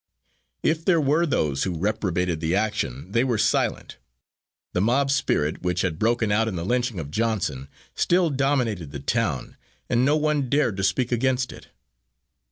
If there were those who reprobated the action they were silent. The mob spirit, which had broken out in the lynching of Johnson, still dominated the town, and no one dared to speak against it.